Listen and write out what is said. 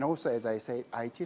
dan juga seperti yang saya katakan